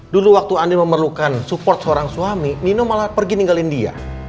dulu waktu andi memerlukan support seorang suami nino malah pergi ninggalin dia